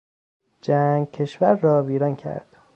جنگ کشور را ویران کرد.